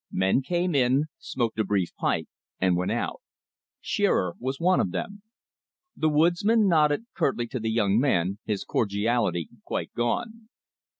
Men came in, smoked a brief pipe, and went out. Shearer was one of them. The woodsman nodded curtly to the young man, his cordiality quite gone.